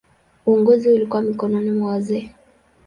Uongozi ulikuwa mikononi mwa wazee.